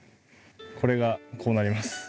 これがこうなります。